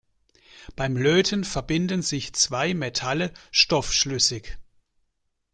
Beim Löten verbinden sich zwei Metalle stoffschlüssig.